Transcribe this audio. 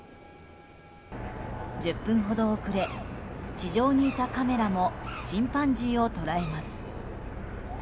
１０分ほど遅れ地上にいたカメラもチンパンジーを捉えます。